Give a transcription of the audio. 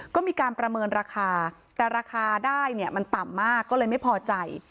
ก็มีการประเมินราคาแต่ราคาได้เนี่ยมันต่ำมากก็เลยไม่พอใจ